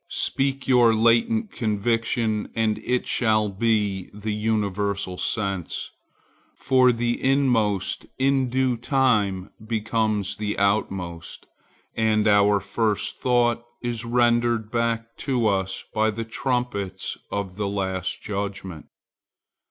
Speak your latent conviction, and it shall be the universal sense; for the inmost in due time becomes the outmost, and our first thought is rendered back to us by the trumpets of the Last Judgment.